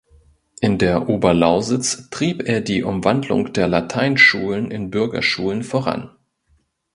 In der Oberlausitz trieb er die Umwandlung der Lateinschulen in Bürgerschulen voran.